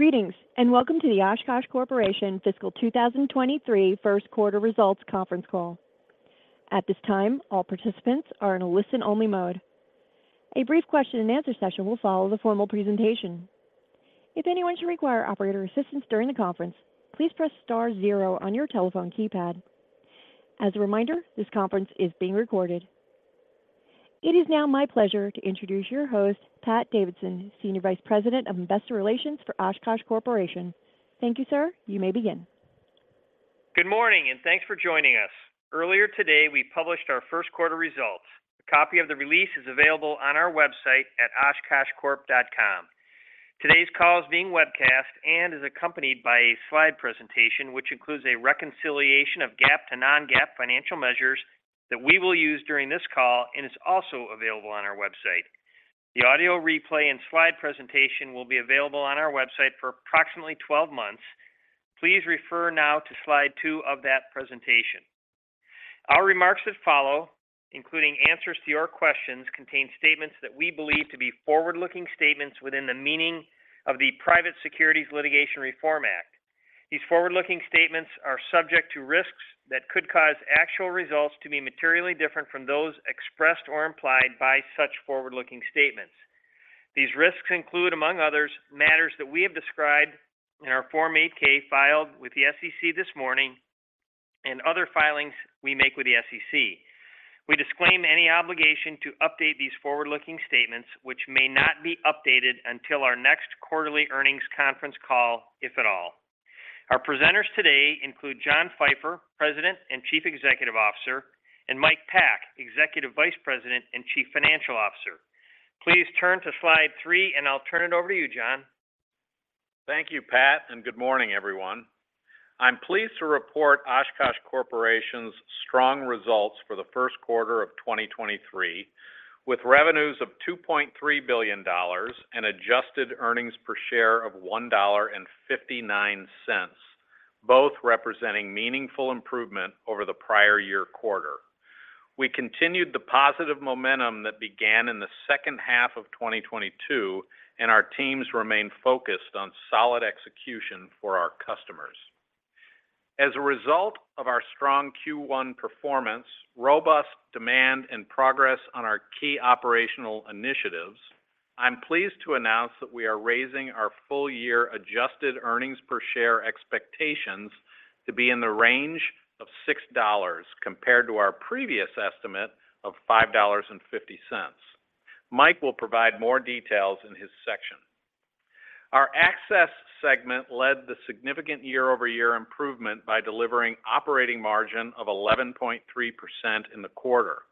Greetings, welcome to the Oshkosh Corporation Fiscal 2023 Q1 Results Conference Call. At this time, all participants are in a listen only mode. A brief question and answer session will follow the formal presentation. If anyone should require operator assistance during the conference, please press star zero on your telephone keypad. As a reminder, this conference is being recorded. It is now my pleasure to introduce your host, Pat Davidson, Senior Vice President of Investor Relations for Oshkosh Corporation. Thank you, sir. You may begin. Good morning, thanks for joining us. Earlier today, we published our Q1 results. A copy of the release is available on our website at oshkoshcorp.com. Today's call is being webcast and is accompanied by a slide presentation, which includes a reconciliation of GAAP to non-GAAP financial measures that we will use during this call and is also available on our website. The audio replay and slide presentation will be available on our website for approximately 12 months. Please refer now to slide two of that presentation. Our remarks that follow, including answers to your questions, contain statements that we believe to be forward-looking statements within the meaning of the Private Securities Litigation Reform Act. These forward-looking statements are subject to risks that could cause actual results to be materially different from those expressed or implied by such forward-looking statements. These risks include, among others, matters that we have described in our Form 8-K filed with the SEC this morning and other filings we make with the SEC. We disclaim any obligation to update these forward-looking statements, which may not be updated until our next quarterly earnings conference call, if at all. Our presenters today include John Pfeifer, President and Chief Executive Officer, and Mike Pack, Executive Vice President and Chief Financial Officer. Please turn to slide three, and I'll turn it over to you, John. Thank you, Pat. Good morning, everyone. I'm pleased to report Oshkosh Corporation's strong results for the Q1 of 2023, with revenues of $2.3 billion and adjusted earnings per share of $1.59, both representing meaningful improvement over the prior year quarter. We continued the positive momentum that began in the second half of 2022, and our teams remain focused on solid execution for our customers. As a result of our strong Q1 performance, robust demand, and progress on our key operational initiatives, I'm pleased to announce that we are raising our full year adjusted earnings per share expectations to be in the range of $6.00 compared to our previous estimate of $5.50. Mike will provide more details in his section. Our access segment led the significant year-over-year improvement by delivering operating margin of 11.3% in the quarter.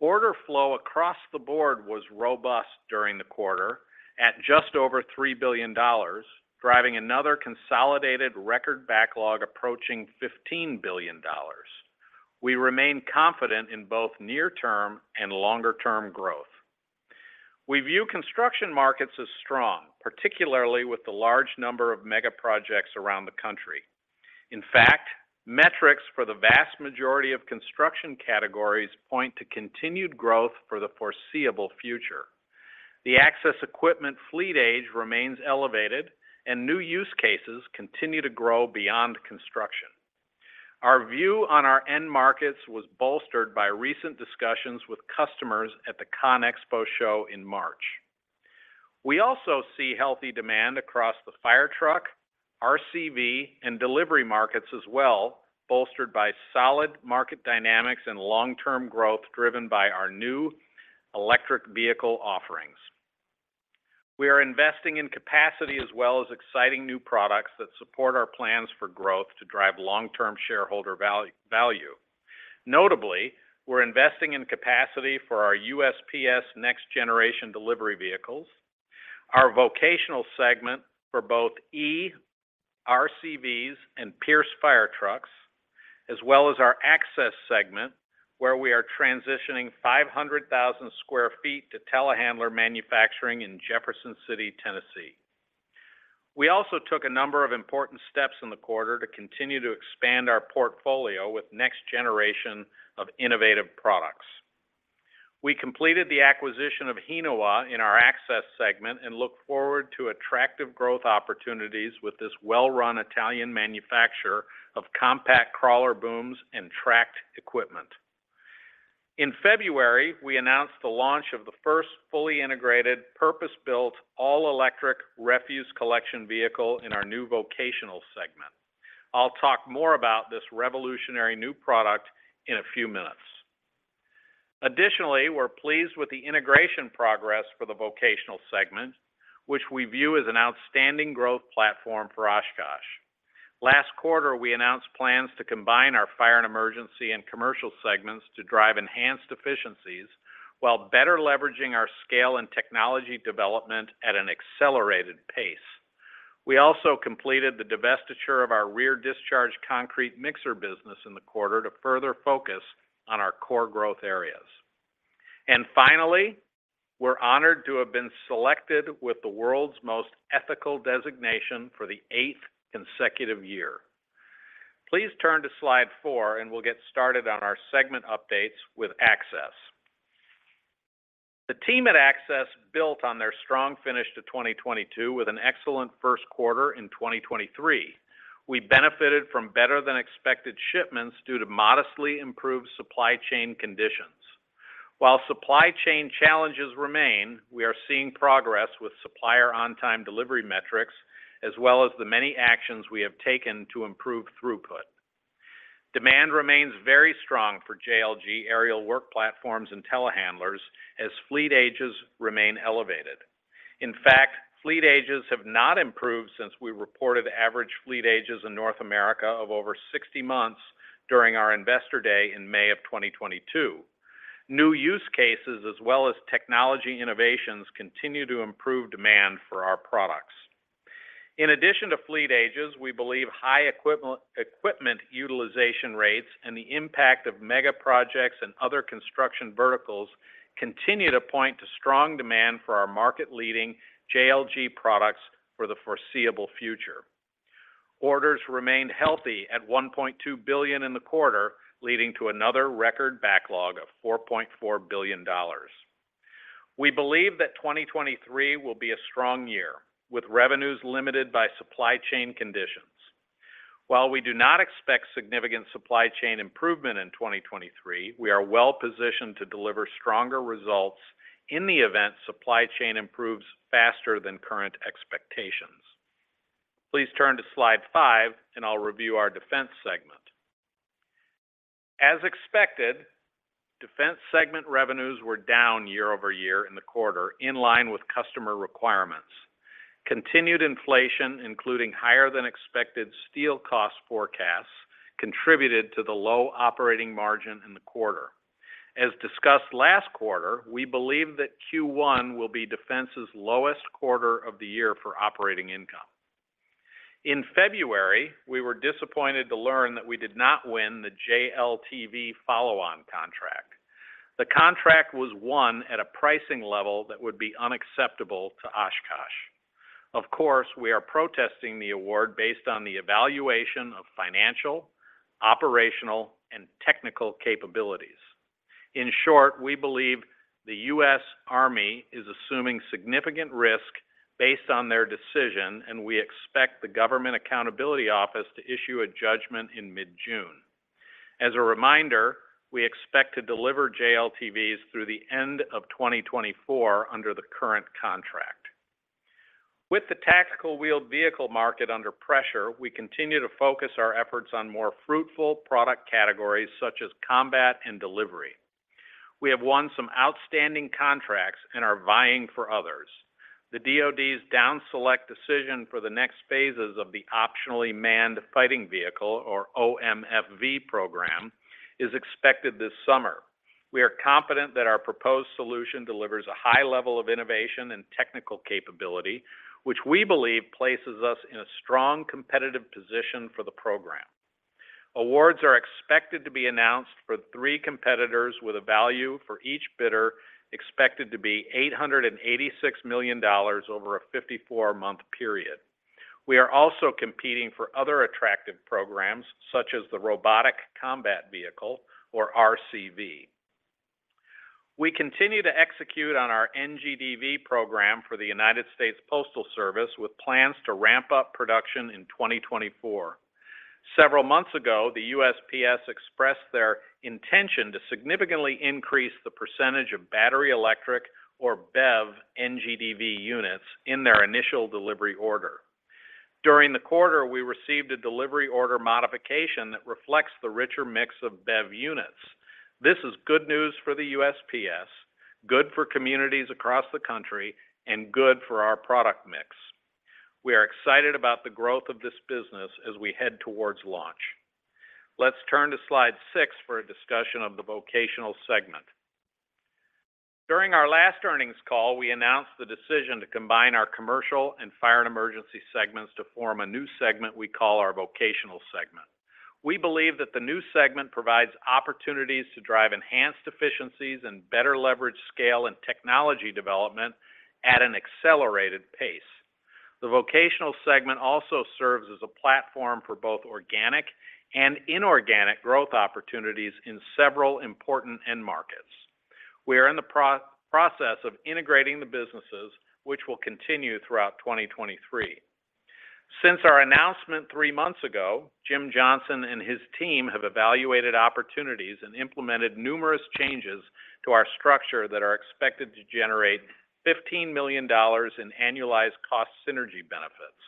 Order flow across the board was robust during the quarter at just over $3 billion, driving another consolidated record backlog approaching $15 billion. We remain confident in both near term and longer term growth. We view construction markets as strong, particularly with the large number of mega projects around the country. In fact, metrics for the vast majority of construction categories point to continued growth for the foreseeable future. The access equipment fleet age remains elevated and new use cases continue to grow beyond construction. Our view on our end markets was bolstered by recent discussions with customers at the ConExpo show in March. We also see healthy demand across the fire truck, RCV, and delivery markets as well, bolstered by solid market dynamics and long-term growth driven by our new electric vehicle offerings. We are investing in capacity as well as exciting new products that support our plans for growth to drive long-term shareholder value. Notably, we're investing in capacity for our USPS Next Generation Delivery Vehicles, our vocational segment for both eRCVs and Pierce fire trucks, as well as our access segment, where we are transitioning 500,000 sq ft to telehandler manufacturing in Jefferson City, Tennessee. We also took a number of important steps in the quarter to continue to expand our portfolio with next generation of innovative products. We completed the acquisition of Hinowa in our access segment and look forward to attractive growth opportunities with this well run Italian manufacturer of compact crawler booms and tracked equipment. In February, we announced the launch of the first fully integrated, purpose built, all electric refuse collection vehicle in our new Vocational segment. I'll talk more about this revolutionary new product in a few minutes. Additionally, we're pleased with the integration progress for the Vocational segment, which we view as an outstanding growth platform for Oshkosh. Last quarter, we announced plans to combine our fire and emergency and commercial segments to drive enhanced efficiencies while better leveraging our scale and technology development at an accelerated pace. We also completed the divestiture of our rear discharge concrete mixer business in the quarter to further focus on our core growth areas. Finally, we're honored to have been selected with the world's most ethical designation for the 8th consecutive year. Please turn to slide 4 and we'll get started on our segment updates with Access. The team at Access built on their strong finish to 2022 with an excellent Q1 in 2023. We benefited from better than expected shipments due to modestly improved supply chain conditions. While supply chain challenges remain, we are seeing progress with supplier on-time delivery metrics as well as the many actions we have taken to improve throughput. Demand remains very strong for JLG aerial work platforms and telehandlers as fleet ages remain elevated. In fact, fleet ages have not improved since we reported average fleet ages in North America of over 60 months during our Investor Day in May of 2022. New use cases as well as technology innovations continue to improve demand for our products. In addition to fleet ages, we believe high equipment utilization rates and the impact of mega projects and other construction verticals continue to point to strong demand for our market-leading JLG products for the foreseeable future. Orders remained healthy at $1.2 billion in the quarter, leading to another record backlog of $4.4 billion. We believe that 2023 will be a strong year, with revenues limited by supply chain conditions. While we do not expect significant supply chain improvement in 2023, we are well positioned to deliver stronger results in the event supply chain improves faster than current expectations. Please turn to slide 5 and I'll review our Defense segment. As expected, Defense segment revenues were down year-over-year in the quarter, in line with customer requirements. Continued inflation, including higher than expected steel cost forecasts, contributed to the low operating margin in the quarter. As discussed last quarter, we believe that Q1 will be Defense's lowest quarter of the year for operating income. In February, we were disappointed to learn that we did not win the JLTV follow-on contract. The contract was won at a pricing level that would be unacceptable to Oshkosh. Of course, we are protesting the award based on the evaluation of financial, operational, and technical capabilities. In short, we believe the U.S. Army is assuming significant risk based on their decision, and we expect the Government Accountability Office to issue a judgment in mid-June. As a reminder, we expect to deliver JLTVs through the end of 2024 under the current contract. With the tactical wheeled vehicle market under pressure, we continue to focus our efforts on more fruitful product categories such as combat and delivery. We have won some outstanding contracts and are vying for others. The DoD's down select decision for the next phases of the Optionally Manned Fighting Vehicle, or OMFV program, is expected this summer. We are confident that our proposed solution delivers a high level of innovation and technical capability, which we believe places us in a strong competitive position for the program. Awards are expected to be announced for three competitors with a value for each bidder expected to be $886 million over a 54-month period. We are also competing for other attractive programs such as the Robotic Combat Vehicle, or RCV. We continue to execute on our NGDV program for the United States Postal Service with plans to ramp up production in 2024. Several months ago, the USPS expressed their intention to significantly increase the % of battery, electric, or BEV NGDV units in their initial delivery order. During the quarter, we received a delivery order modification that reflects the richer mix of BEV units. This is good news for the USPS, good for communities across the country, and good for our product mix. We are excited about the growth of this business as we head towards launch. Let's turn to slide 6 for a discussion of the Vocational Segment. During our last earnings call, we announced the decision to combine our Commercial and Fire and Emergency Segments to form a new segment we call our Vocational Segment. We believe that the new segment provides opportunities to drive enhanced efficiencies and better leverage scale and technology development at an accelerated pace. The Vocational Segment also serves as a platform for both organic and inorganic growth opportunities in several important end markets. We are in the process of integrating the businesses, which will continue throughout 2023. Since our announcement three months ago, Jim Johnson and his team have evaluated opportunities and implemented numerous changes to our structure that are expected to generate $15 million in annualized cost synergy benefits.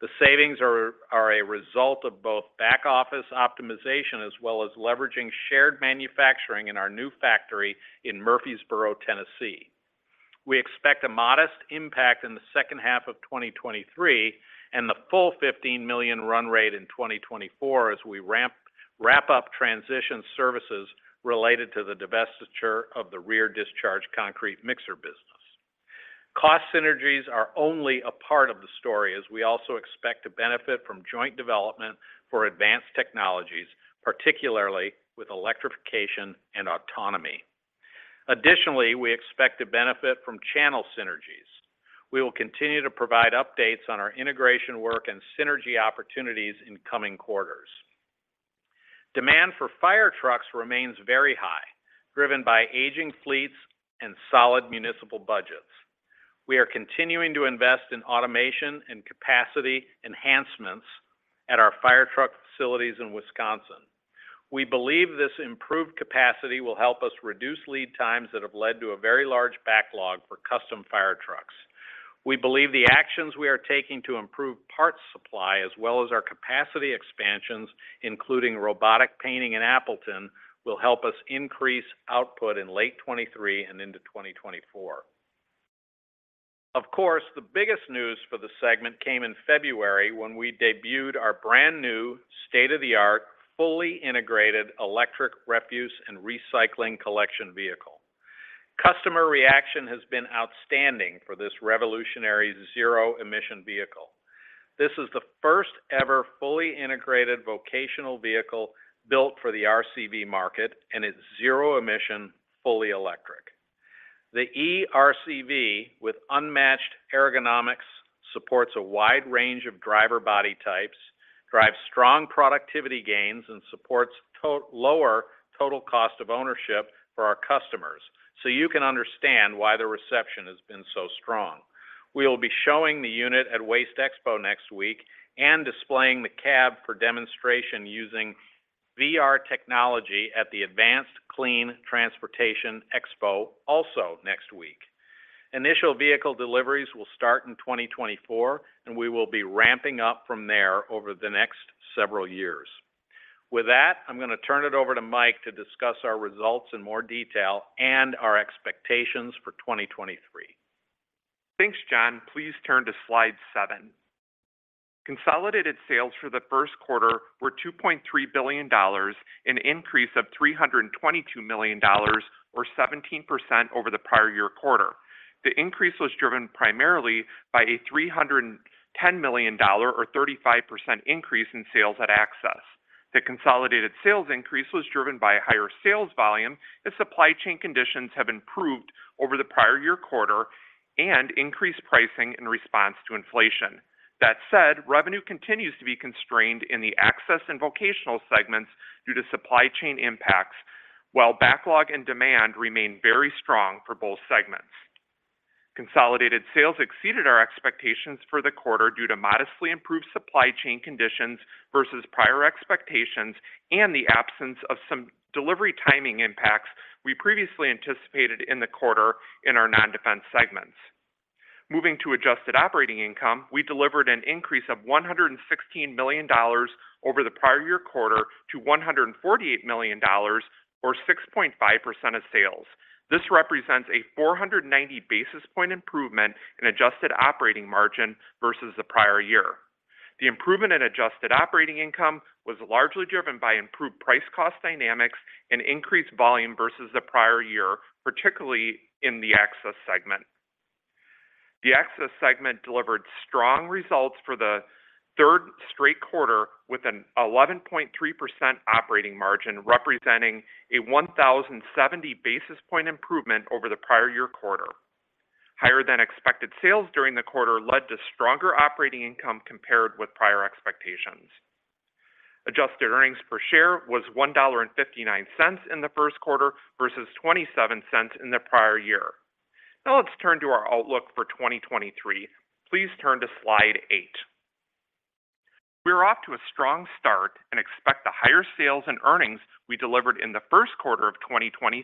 The savings are a result of both back-office optimization as well as leveraging shared manufacturing in our new factory in Murfreesboro, Tennessee. We expect a modest impact in the second half of 2023 and the full $15 million run rate in 2024 as we ramp, wrap up transition services related to the divestiture of the rear discharge concrete mixer business. Cost synergies are only a part of the story as we also expect to benefit from joint development for advanced technologies, particularly with electrification and autonomy. Additionally, we expect to benefit from channel synergies. We will continue to provide updates on our integration work and synergy opportunities in coming quarters. Demand for fire trucks remains very high, driven by aging fleets and solid municipal budgets. We are continuing to invest in automation and capacity enhancements at our fire truck facilities in Wisconsin. We believe this improved capacity will help us reduce lead times that have led to a very large backlog for custom fire trucks. We believe the actions we are taking to improve parts supply as well as our capacity expansions, including robotic painting in Appleton, will help us increase output in late 2023 and into 2024. Of course, the biggest news for the segment came in February when we debuted our brand new state-of-the-art, fully integrated electric refuse and recycling collection vehicle. Customer reaction has been outstanding for this revolutionary zero emission vehicle. This is the first ever fully integrated vocational vehicle built for the RCV market and is zero emission, fully electric. The eRCV with unmatched ergonomics, supports a wide range of driver body types, drives strong productivity gains, and supports lower total cost of ownership for our customers. You can understand why the reception has been so strong. We will be showing the unit at WasteExpo next week and displaying the cab for demonstration using VR technology at the Advanced Clean Transportation Expo also next week. Initial vehicle deliveries will start in 2024, and we will be ramping up from there over the next several years. With that, I'm gonna turn it over to Mike to discuss our results in more detail and our expectations for 2023. Thanks, John. Please turn to slide seven. Consolidated sales for the Q1 were $2.3 billion, an increase of $322 million or 17% over the prior year quarter. The increase was driven primarily by a $310 million or 35% increase in sales at Access. The consolidated sales increase was driven by a higher sales volume as supply chain conditions have improved over the prior year quarter and increased pricing in response to inflation. That said, revenue continues to be constrained in the Access and Vocational segments due to supply chain impacts, while backlog and demand remain very strong for both segments. Consolidated sales exceeded our expectations for the quarter due to modestly improved supply chain conditions versus prior expectations and the absence of some delivery timing impacts we previously anticipated in the quarter in our non-Defense segments. Moving to adjusted operating income, we delivered an increase of $116 million over the prior year quarter to $148 million or 6.5% of sales. This represents a 490 basis point improvement in adjusted operating margin versus the prior year. The improvement in adjusted operating income was largely driven by improved price-cost dynamics and increased volume versus the prior year, particularly in the Access segment. The Access segment delivered strong results for the third straight quarter with an 11.3% operating margin, representing a 1,070 basis point improvement over the prior year quarter. Higher than expected sales during the quarter led to stronger operating income compared with prior expectations. Adjusted earnings per share was $1.59 in the Q1 versus $0.27 in the prior year. Let's turn to our outlook for 2023. Please turn to slide 8. We're off to a strong start and expect the higher sales and earnings we delivered in the Q1 of 2023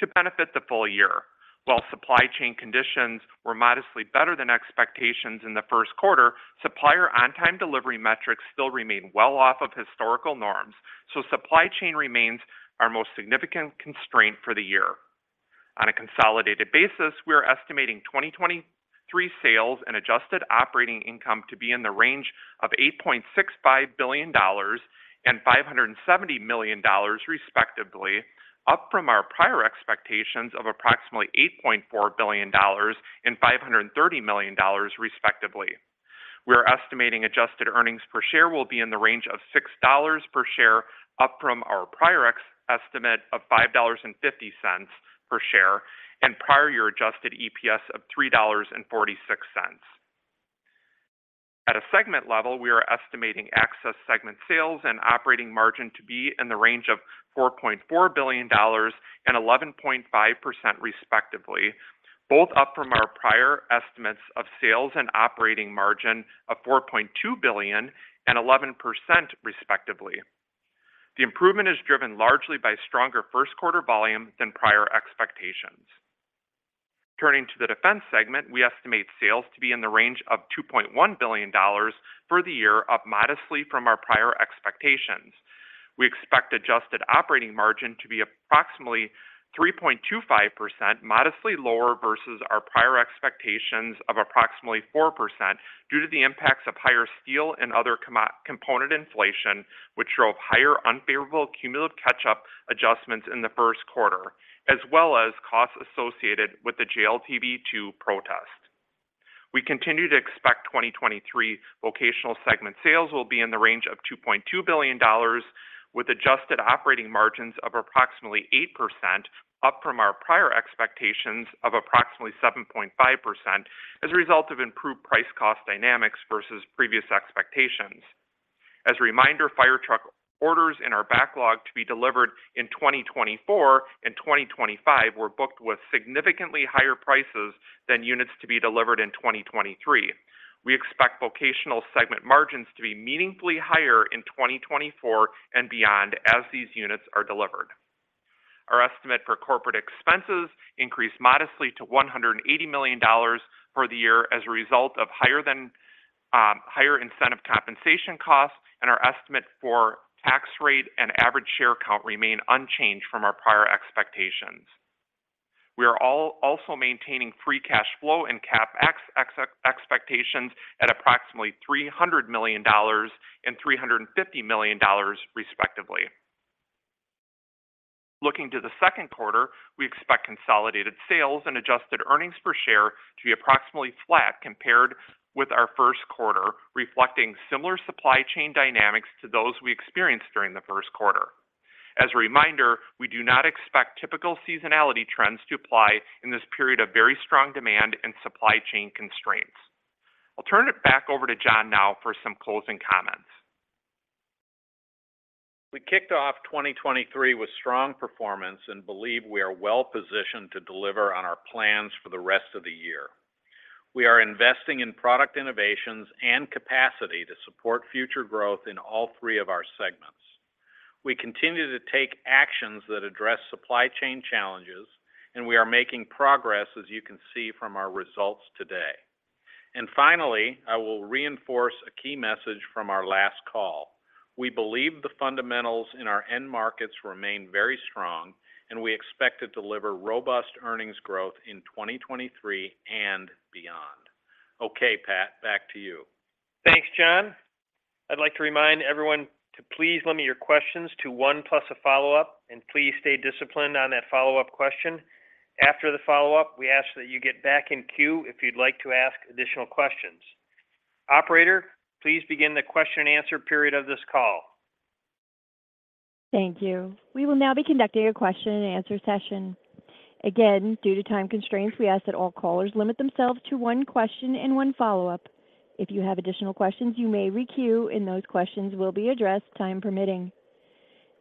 to benefit the full year. While supply chain conditions were modestly better than expectations in the Q1, supplier on-time delivery metrics still remain well off of historical norms, so supply chain remains our most significant constraint for the year. On a consolidated basis, we are estimating 2023 sales and adjusted operating income to be in the range of $8.65 billion and $570 million respectively, up from our prior expectations of approximately $8.4 billion and $530 million respectively. We are estimating adjusted earnings per share will be in the range of $6 per share, up from our prior ex-estimate of $5.50 per share and prior year adjusted EPS of $3.46. At a segment level, we are estimating Access segment sales and operating margin to be in the range of $4.4 billion and 11.5% respectively, both up from our prior estimates of sales and operating margin of $4.2 billion and 11% respectively. The improvement is driven largely by stronger Q1 volume than prior expectations. Turning to the Defense segment, we estimate sales to be in the range of $2.1 billion for the year, up modestly from our prior expectations. We expect adjusted operating margin to be approximately 3.25%, modestly lower versus our prior expectations of approximately 4% due to the impacts of higher steel and other component inflation, which drove higher unfavorable cumulative catch-up adjustments in the Q1, as well as costs associated with the JLTV A2 protest. We continue to expect 2023 Vocational segment sales will be in the range of $2.2 billion with adjusted operating margins of approximately 8%, up from our prior expectations of approximately 7.5% as a result of improved price cost dynamics versus previous expectations. As a reminder, fire truck orders in our backlog to be delivered in 2024 and 2025 were booked with significantly higher prices than units to be delivered in 2023. We expect Vocational Segment margins to be meaningfully higher in 2024 and beyond as these units are delivered. Our estimate for corporate expenses increased modestly to $180 million for the year as a result of higher than higher incentive compensation costs, and our estimate for tax rate and average share count remain unchanged from our prior expectations. We are also maintaining free cash flow and CapEx expectations at approximately $300 million and $350 million, respectively. Looking to the Q2, we expect consolidated sales and adjusted earnings per share to be approximately flat compared with our Q1, reflecting similar supply chain dynamics to those we experienced during the Q1. As a reminder, we do not expect typical seasonality trends to apply in this period of very strong demand and supply chain constraints. I'll turn it back over to John now for some closing comments. We kicked off 2023 with strong performance and believe we are well positioned to deliver on our plans for the rest of the year. We are investing in product innovations and capacity to support future growth in all three of our segments. We continue to take actions that address supply chain challenges, and we are making progress, as you can see from our results today. Finally, I will reinforce a key message from our last call. We believe the fundamentals in our end markets remain very strong, and we expect to deliver robust earnings growth in 2023 and beyond. Okay, Pat, back to you. Thanks, John. I'd like to remind everyone to please limit your questions to one plus a follow-up, and please stay disciplined on that follow-up question. After the follow-up, we ask that you get back in queue if you'd like to ask additional questions. Operator, please begin the question and answer period of this call. Thank you. We will now be conducting a question and answer session. Again, due to time constraints, we ask that all callers limit themselves to one question and one follow-up. If you have additional questions you may re-queue, and those questions will be addressed, time permitting.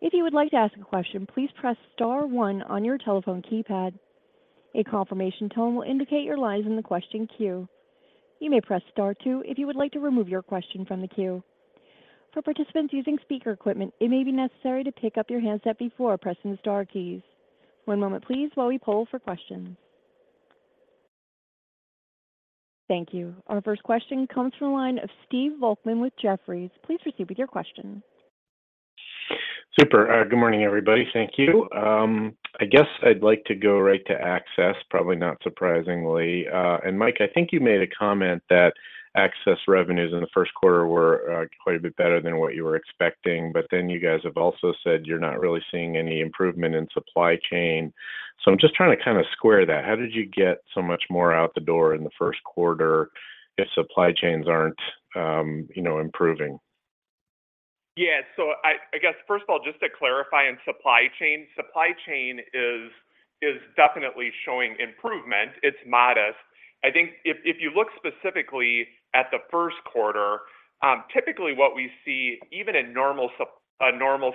If you would like to ask a question, please press star one on your telephone keypad. A confirmation tone will indicate your line's in the question queue. You may press star two if you would like to remove your question from the queue. For participants using speaker equipment, it may be necessary to pick up your handset before pressing the star keys. one moment, please, while we poll for questions. Thank you. Our first question comes from the line of Stephen Volkmann with Jefferies. Please proceed with your question. Super. Good morning, everybody. Thank you. I guess I'd like to go right to Access, probably not surprisingly. Mike, I think you made a comment that Access revenues in the Q1 were quite a bit better than what you were expecting, but then you guys have also said you're not really seeing any improvement in supply chain. I'm just trying to kinda square that. How did you get so much more out the door in the Q1 if supply chains aren't, you know, improving? I guess first of all, just to clarify on supply chain, supply chain is definitely showing improvement. It's modest. I think if you look specifically at the Q1, typically what we see even in a normal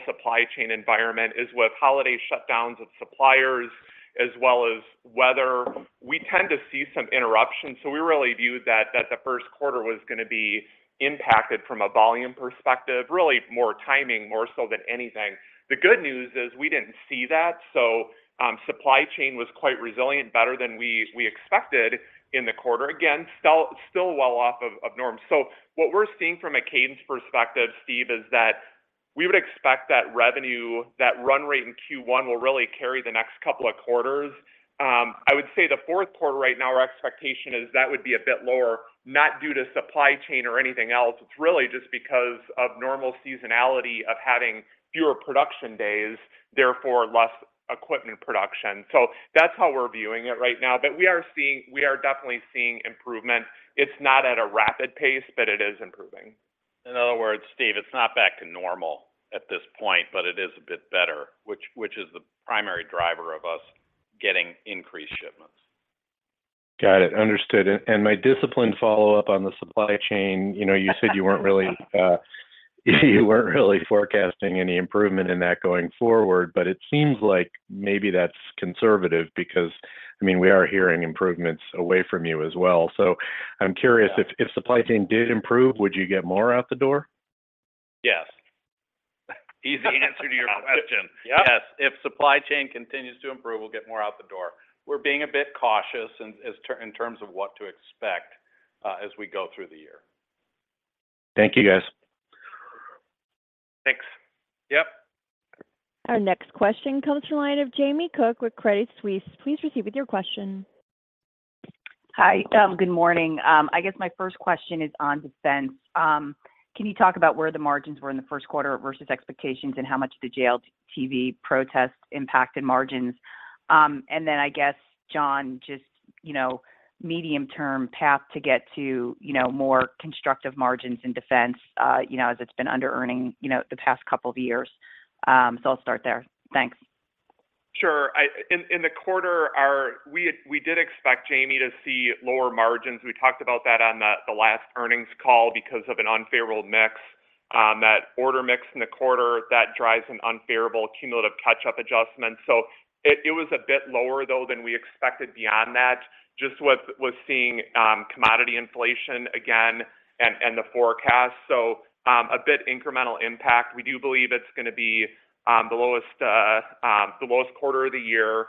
supply chain environment is with holiday shutdowns of suppliers as well as weather, we tend to see some interruptions. We really viewed that the Q1 was gonna be impacted from a volume perspective, really more timing, more so than anything. The good news is we didn't see that, so supply chain was quite resilient, better than we expected in the quarter. Again, still well off of norm. What we're seeing from a cadence perspective, Steve, is that we would expect that revenue, that run rate in Q1 will really carry the next couple of quarters. I would say the Q4 right now our expectation is that would be a bit lower, not due to supply chain or anything else. It's really just because of normal seasonality of having fewer production days, therefore less equipment production. That's how we're viewing it right now. We are definitely seeing improvement. It's not at a rapid pace, but it is improving. In other words, Stephen, it's not back to normal at this point, but it is a bit better, which is the primary driver of us getting increased shipments. Got it. Understood. My disciplined follow-up on the supply chain, you know, you said you weren't really forecasting any improvement in that going forward, it seems like maybe that's conservative because, I mean, we are hearing improvements away from you as well. I'm curious, if supply chain did improve, would you get more out the door? Yes. Easy answer to your question. Yes. Yes. If supply chain continues to improve, we'll get more out the door. We're being a bit cautious in terms of what to expect, as we go through the year. Thank you, guys. Thanks. Yes. Our next question comes from the line of Jamie Cook with Credit Suisse. Please proceed with your question. Hi. Good morning. I guess my first question is on Defense. Can you talk about where the margins were in the Q1 versus expectations and how much the JLTV protests impacted margins? I guess, John, just, you know, medium term path to get to, you know, more constructive margins in Defense, you know, as it's been under-earning, you know, the past couple of years. I'll start there. Thanks. Sure. I, in the quarter we did expect, Jamie, to see lower margins. We talked about that on the last earnings call because of an unfavorable mix, that order mix in the quarter that drives an unfavorable cumulative catch-up adjustment. It was a bit lower though than we expected beyond that, just with seeing commodity inflation again and the forecast. A bit incremental impact. We do believe it's gonna be the lowest quarter of the year.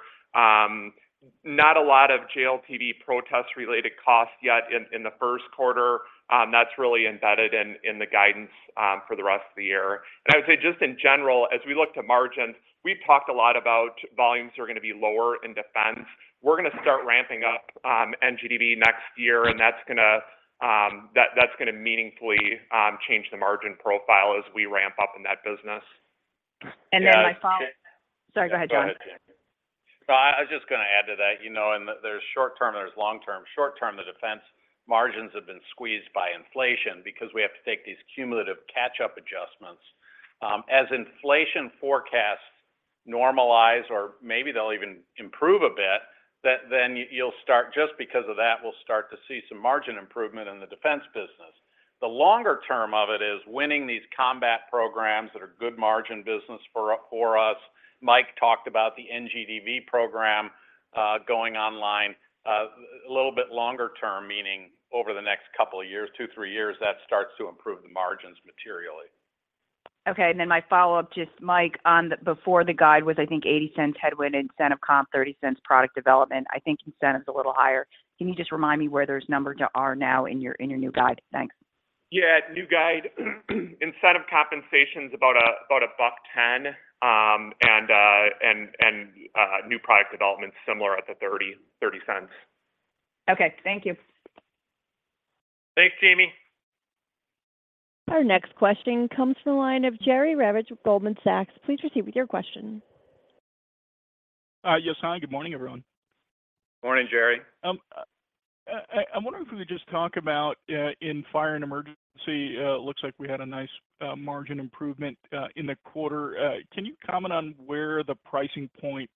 Not a lot of JLTV protest-related costs yet in the Q1. That's really embedded in the guidance for the rest of the year. I would say just in general, as we look to margins, we've talked a lot about volumes are gonna be lower in defense. We're gonna start ramping up NGDV next year. That's gonna meaningfully change the margin profile as we ramp up in that business. And then my follow. Yeah, and Jamie. Sorry, go ahead, John. No, I was just gonna add to that. You know, there's short term, there's long term. Short term, the defense margins have been squeezed by inflation because we have to take these cumulative catch-up adjustments. As inflation forecasts normalize, or maybe they'll even improve a bit, then you'll start. Just because of that, we'll start to see some margin improvement in the defense business. The longer term of it is winning these combat programs that are good margin business for us. Mike talked about the NGDV program going online a little bit longer term, meaning over the next couple of years, two, three years, that starts to improve the margins materially. Okay. Then my follow-up, just Mike, on the before the guide was, I think, $0.80 headwind, incentive comp $0.30, product development, I think incentive's a little higher. Can you just remind me where those numbers are now in your, in your new guide? Thanks. New guide, incentive compensation's about a $1.10, and new product development's similar at the $0.30. Okay. Thank you. Thanks, Jamie. Our next question comes from the line of Jerry Revich with Goldman Sachs. Please proceed with your question. Yes. Hi, good morning, everyone. Morning, Jerry. I'm wondering if we could just talk about in fire and emergency, looks like we had a nice margin improvement in the quarter. Can you comment on where the pricing point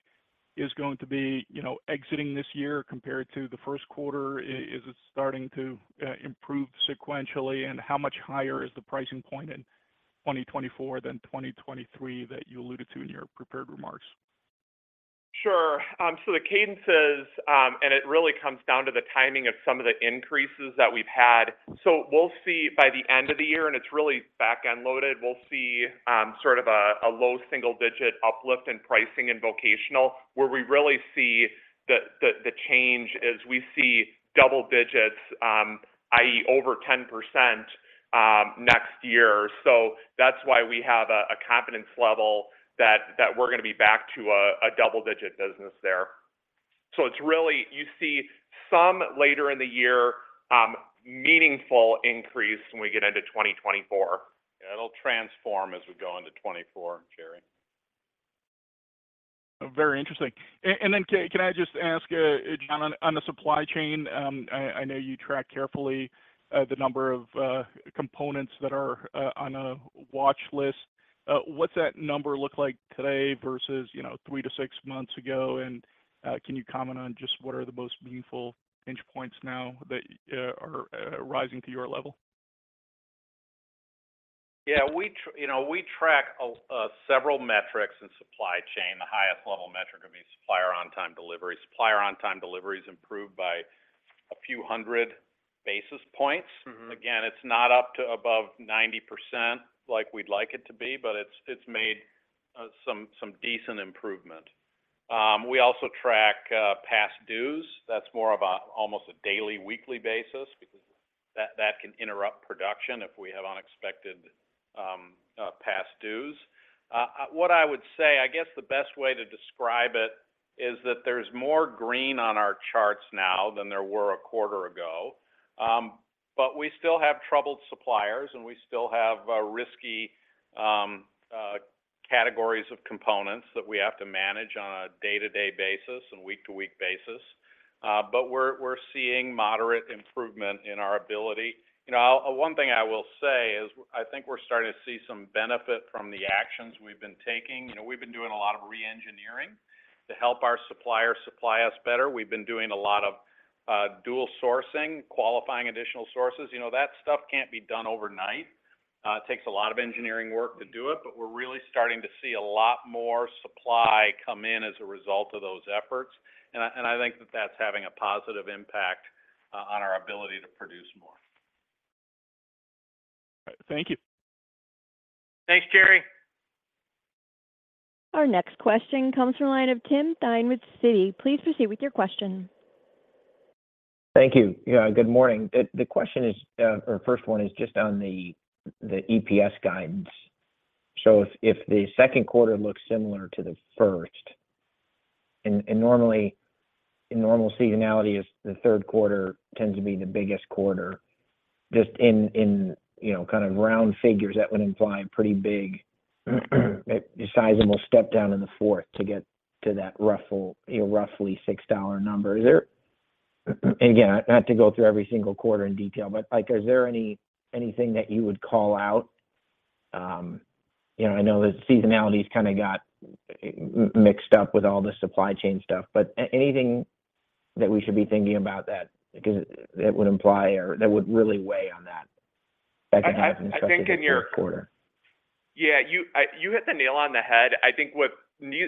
is going to be, you know, exiting this year compared to the Q1? Is it starting to improve sequentially, and how much higher is the pricing point in 2024 than 2023 that you alluded to in your prepared remarks? Sure. The cadences, and it really comes down to the timing of some of the increases that we've had. We'll see by the end of the year, and it's really back-end loaded, we'll see, sort of a low single-digit uplift in pricing in vocational, where we really see the change is we see double digits, i.e., over 10%, next year. That's why we have a confidence level that we're gonna be back to a double-digit business there. It's really, you see some later in the year, meaningful increase when we get into 2024. It'll transform as we go into 2024, Jerry. Very interesting. Then can I just ask John on the supply chain, I know you track carefully the number of components that are on a watch list. What's that number look like today versus, you know, 3 to 6 months ago? Can you comment on just what are the most meaningful inch points now that are rising to your level? We track several metrics in supply chain. The highest level metric would be supplier on-time delivery. Supplier on-time delivery is improved by a few hundred basis points. Mm-hmm. It's not up to above 90% like we'd like it to be, but it's made some decent improvement. We also track past dues. That's more of a almost a daily, weekly basis because that can interrupt production if we have unexpected past dues. What I would say, I guess the best way to describe it is that there's more green on our charts now than there were a quarter ago. We still have troubled suppliers, and we still have risky categories of components that we have to manage on a day-to-day basis and week-to-week basis. We're seeing moderate improvement in our ability. You know, one thing I will say is I think we're starting to see some benefit from the actions we've been taking. You know, we've been doing a lot of re-engineering to help our supplier supply us better. We've been doing a lot of dual sourcing, qualifying additional sources. You know, that stuff can't be done overnight. It takes a lot of engineering work to do it, but we're really starting to see a lot more supply come in as a result of those efforts. I think that that's having a positive impact on our ability to produce more. Thank you. Thanks, Jerry. Our next question comes from the line of Timothy Thein with Citi. Please proceed with your question. Thank you. Yeah, good morning. The question is, or first one is just on the EPS guidance. If, if the Q2 looks similar to the first, normally in normal seasonality is the Q3 tends to be the biggest quarter, just in, you know, kind of round figures, that would imply pretty big, a sizable step down in the fourth to get to that ruffle, you know, roughly $6 number. Is there, again, not to go through every single quarter in detail, but, like, is there anything that you would call out? You know, I know the seasonality's kinda got mixed up with all the supply chain stuff, but anything that we should be thinking about that, 'cause it would imply or that would really weigh on that Q4? You hit the nail on the head. I think what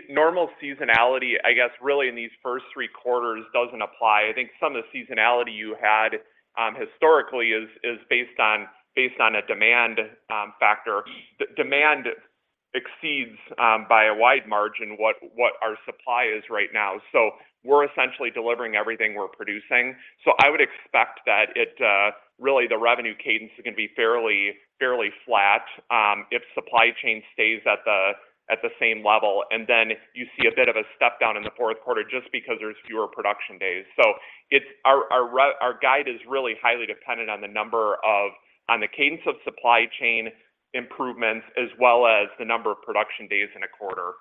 normal seasonality, I guess, really in these first 3 quarters doesn't apply. I think some of the seasonality you had historically is based on a demand factor. The demand exceeds by a wide margin what our supply is right now. We're essentially delivering everything we're producing. I would expect that it really the revenue cadence is gonna be fairly flat if supply chain stays at the same level. You see a bit of a step down in the 4th quarter just because there's fewer production days. Our guide is really highly dependent on the cadence of supply chain improvements as well as the number of production days in a quarter.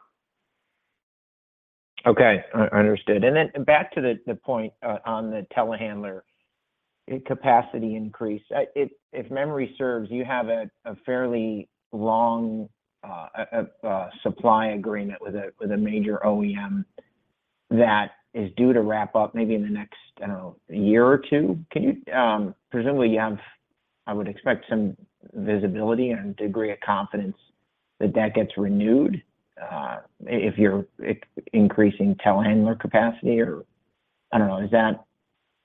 Okay. Understood. Then back to the point on the telehandler capacity increase. If memory serves, you have a fairly long supply agreement with a major OEM that is due to wrap up maybe in the next year or two. Presumably you have, I would expect, some visibility and degree of confidence that that gets renewed, if you're increasing telehandler capacity or I don't know, is that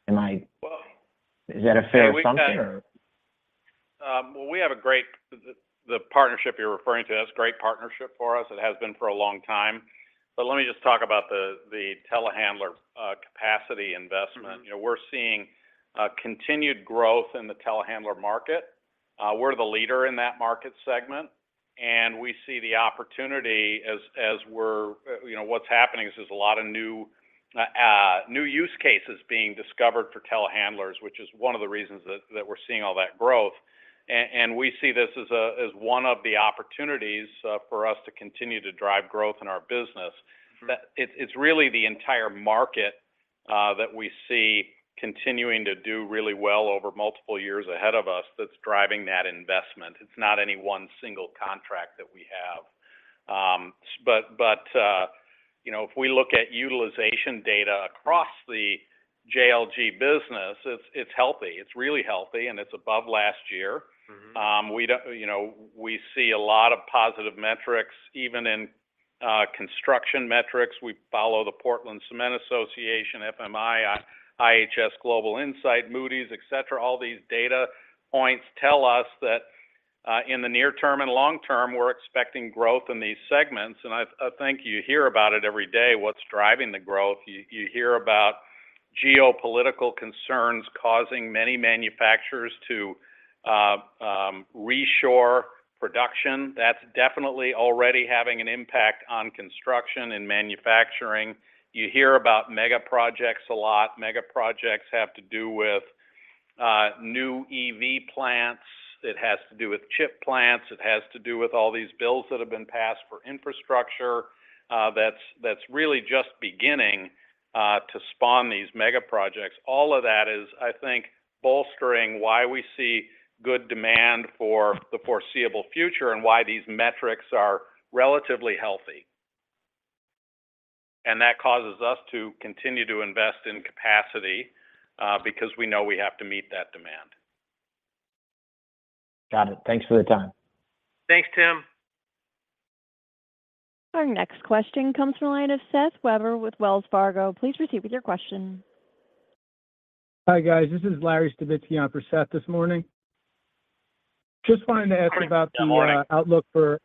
am I? Well Is that a fair assumption or? Well, we have a great. The partnership you're referring to, that's a great partnership for us. It has been for a long time. Let me just talk about the telehandler, capacity investment. Mm-hmm. You know, we're seeing continued growth in the telehandler market. We're the leader in that market segment, and we see the opportunity. You know, what's happening is there's a lot of new use cases being discovered for telehandlers, which is one of the reasons that we're seeing all that growth. We see this as one of the opportunities for us to continue to drive growth in our business. Mm-hmm. That it's really the entire market that we see continuing to do really well over multiple years ahead of us that's driving that investment. It's not any one single contract that we have. You know, if we look at utilization data across the JLG business, it's healthy. It's really healthy, and it's above last year. Mm-hmm. We don't. we see a lot of positive metrics, even in construction metrics. We follow the Portland Cement Association, FMI, IHS Global Insight, Moody's, et cetera. All these data points tell us that in the near term and long term, we're expecting growth in these segments. I think you hear about it every day what's driving the growth. You, you hear about geopolitical concerns causing many manufacturers to reshore production. That's definitely already having an impact on construction and manufacturing. You hear about mega projects a lot. Mega projects have to do with new EV plants. It has to do with chip plants. It has to do with all these bills that have been passed for infrastructure. That's, that's really just beginning to spawn these mega projects. All of that is, I think, bolstering why we see good demand for the foreseeable future and why these metrics are relatively healthy. That causes us to continue to invest in capacity, because we know we have to meet that demand. Got it. Thanks for the time. Thanks, Tim. Our next question comes from the line of Seth Weber with Wells Fargo. Please proceed with your question. Hi, guys. This is Larry Stavitskion for Seth this morning. Just wanted to ask about. Great. Good morning outlook for.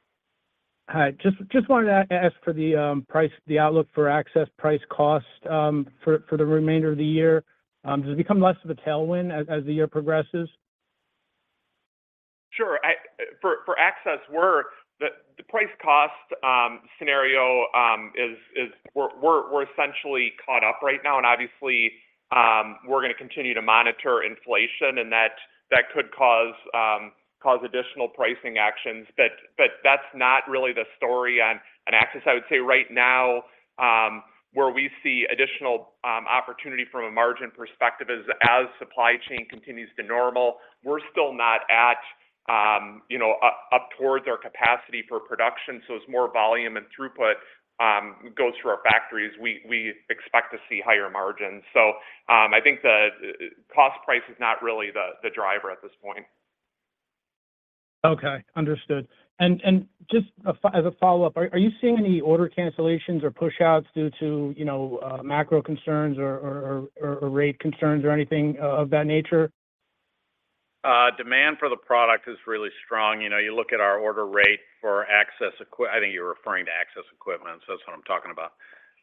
Hi. Just wanted to ask for the price, the outlook for access price cost, for the remainder of the year. Does it become less of a tailwind as the year progresses? Sure. I, for access, we're, the price cost scenario, we're essentially caught up right now. Obviously, we're gonna continue to monitor inflation, and that could cause additional pricing actions. That's not really the story on access. I would say right now, where we see additional opportunity from a margin perspective is as supply chain continues to normal, we're still not at, you know, up towards our capacity for production. As more volume and throughput, goes through our factories, we expect to see higher margins. I think the cost price is not really the driver at this point. Okay. Understood. Just as a follow-up, are you seeing any order cancellations or pushouts due to, you know, macro concerns or rate concerns or anything of that nature? Demand for the product is really strong. You know, you look at our order rate for access. I think you're referring to access equipment, so that's what I'm talking about.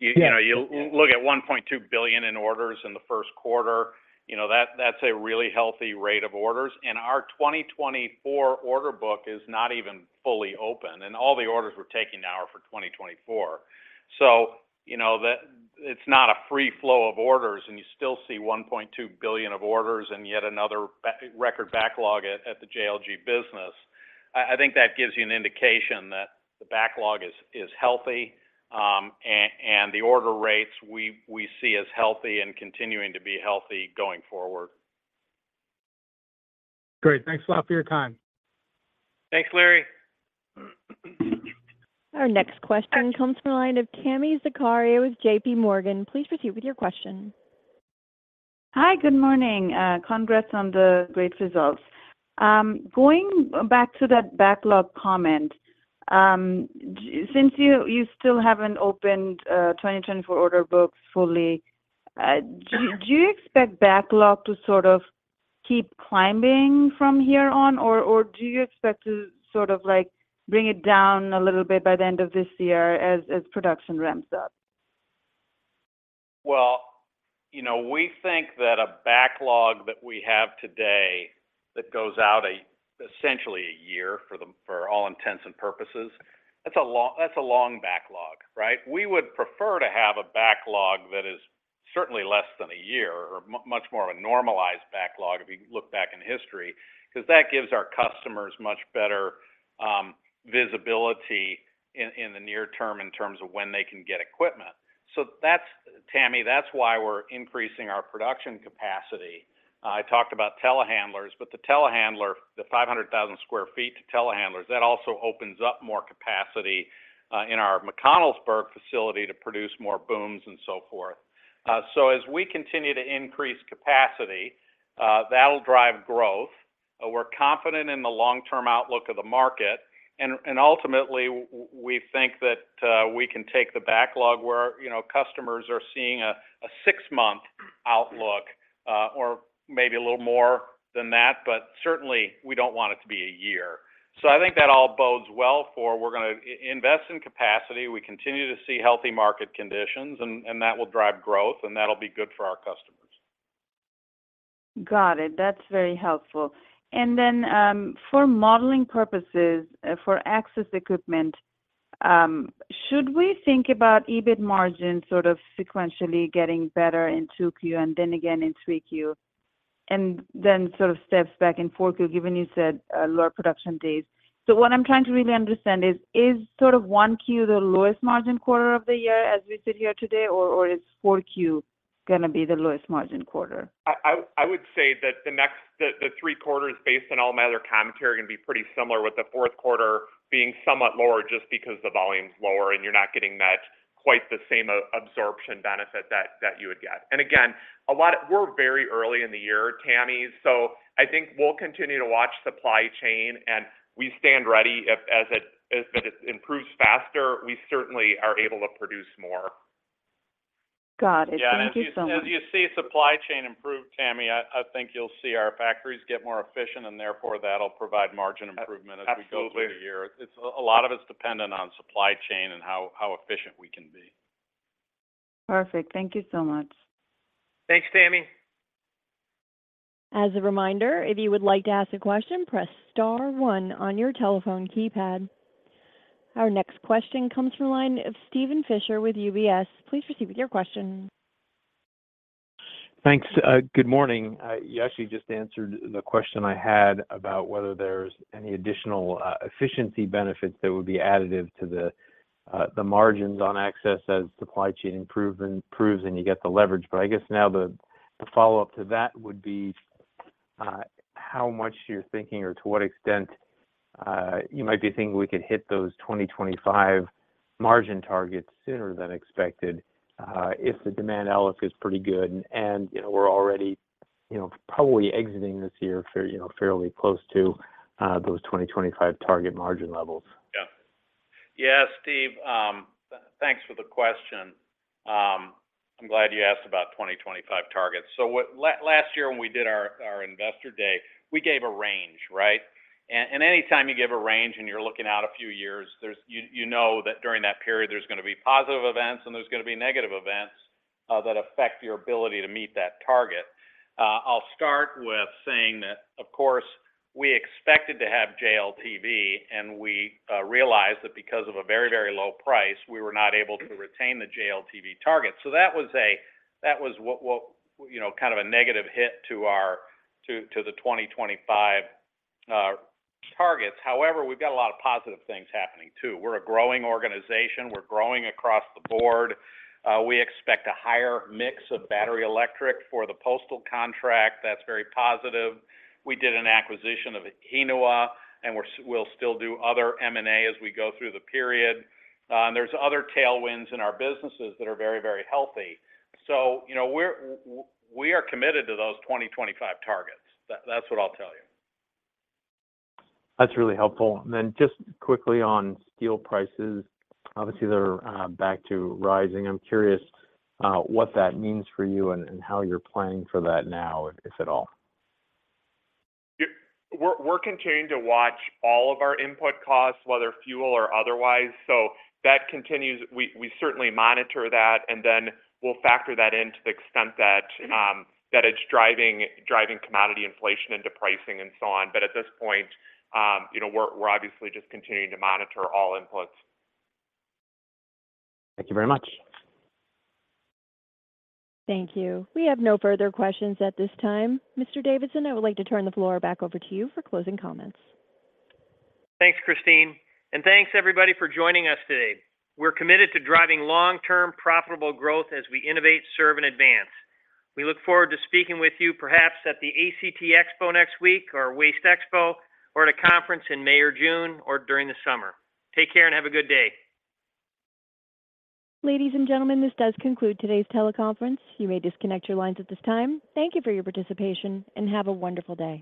Yeah. You, you know, you look at $1.2 billion in orders in the Q1, you know, that's a really healthy rate of orders. Our 2024 order book is not even fully open, and all the orders we're taking now are for 2024. You know, it's not a free flow of orders, and you still see $1.2 billion of orders and yet another record backlog at the JLG business. I think that gives you an indication that the backlog is healthy. The order rates we see as healthy and continuing to be healthy going forward. Great. Thanks a lot for your time. Thanks, Larry. Our next question comes from the line of Tami Zakaria with J.P. Morgan. Please proceed with your question. Hi, good morning. Congrats on the great results. Going back to that backlog comment, since you still haven't opened 2024 order books fully, do you expect backlog to sort of keep climbing from here on? Or do you expect to sort of like bring it down a little bit by the end of this year as production ramps up? We think that a backlog that we have today that goes out essentially a year for all intents and purposes, that's a long backlog, right? We would prefer to have a backlog that is certainly less than a year or much more of a normalized backlog if you look back in history, because that gives our customers much better visibility in the near term in terms of when they can get equipment. That's, Tami, that's why we're increasing our production capacity. I talked about telehandlers, the telehandler, the 500,000 sq ft to telehandlers, that also opens up more capacity in our McConnellsburg facility to produce more booms and so forth. As we continue to increase capacity, that'll drive growth. We're confident in the long-term outlook of the market. Ultimately, we think that we can take the backlog where, you know, customers are seeing a six-month outlook, or maybe a little more than that. Certainly, we don't want it to be a year. I think that all bodes well for we're gonna invest in capacity. We continue to see healthy market conditions, and that will drive growth, and that'll be good for our customers. Got it. That's very helpful. For modeling purposes, for access equipment, should we think about EBIT margin sort of sequentially getting better in two Q and then again in three Q, and then sort of steps back in four Q, given you said lower production days? What I'm trying to really understand is sort of one Q the lowest margin quarter of the year as we sit here today, or is four Q gonna be the lowest margin quarter? I would say that the three quarters, based on all my other commentary, are gonna be pretty similar, with the 4th quarter being somewhat lower just because the volume's lower, and you're not getting that, quite the same absorption benefit that you would get. Again, we're very early in the year, Tami, so I think we'll continue to watch supply chain, and we stand ready if it improves faster, we certainly are able to produce more. Got it. Thank you so much. Yeah. As you see supply chain improve, Tami, I think you'll see our factories get more efficient, therefore that'll provide margin improvement- Absolutely As we go through the year. It's, a lot of it's dependent on supply chain and how efficient we can be. Perfect. Thank you so much. Thanks, Tami. As a reminder, if you would like to ask a question, press star one on your telephone keypad. Our next question comes from the line of Steven Fisher with UBS. Please proceed with your question. Thanks. Good morning. You actually just answered the question I had about whether there's any additional efficiency benefits that would be additive to the margins on Access as supply chain improves, and you get the leverage. I guess now the follow-up to that would be how much you're thinking or to what extent you might be thinking we could hit those 2025 margin targets sooner than expected if the demand outlook is pretty good, and, you know, we're already, you know, probably exiting this year fair, you know, fairly close to those 2025 target margin levels. Steven, thanks for the question. I'm glad you asked about 2025 targets. Last year when we did our investor day, we gave a range, right? Anytime you give a range and you're looking out a few years, you know that during that period, there's gonna be positive events and there's gonna be negative events that affect your ability to meet that target. I'll start with saying that, of course, we expected to have JLTV, and we realized that because of a very, very low price, we were not able to retain the JLTV target. That was a, that was what, you know, kind of a negative hit to our, to the 2025 targets. However, we've got a lot of positive things happening too. We're a growing organization. We're growing across the board. We expect a higher mix of battery electric for the postal contract. That's very positive. We did an acquisition of Hinowa, and we'll still do other M&A as we go through the period. There's other tailwinds in our businesses that are very, very healthy. You know, we are committed to those 2025 targets. That, that's what I'll tell you. That's really helpful. Just quickly on steel prices. Obviously, they're back to rising. I'm curious what that means for you and how you're planning for that now, if at all? Yeah. We're continuing to watch all of our input costs, whether fuel or otherwise. That continues. We certainly monitor that, we'll factor that in to the extent that it's driving commodity inflation into pricing and so on. At this point, you know, we're obviously just continuing to monitor all inputs. Thank you very much. Thank you. We have no further questions at this time. Mr. Davidson, I would like to turn the floor back over to you for closing comments. Thanks, Christine. Thanks everybody for joining us today. We're committed to driving long-term profitable growth as we innovate, serve, and advance. We look forward to speaking with you perhaps at the ACT Expo next week or WasteExpo or at a conference in May or June or during the summer. Take care and have a good day. Ladies and gentlemen, this does conclude today's teleconference. You may disconnect your lines at this time. Thank you for your participation, and have a wonderful day.